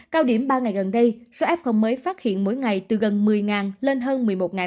cao điểm ba ngày gần đây số f mới phát hiện mỗi ngày từ gần một mươi lên hơn một mươi một năm trăm linh